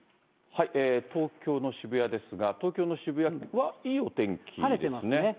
東京の渋谷ですが、東京の渋谷はいいお天気ですね。